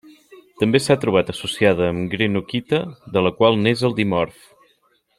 També s'ha trobat associada amb greenockita, de la qual n'és el dimorf.